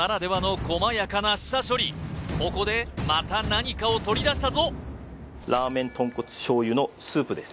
ここでまた何かを取りだしたぞラーメンとんこつ醤油のスープです